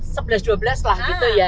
sebelas dua belas lah gitu ya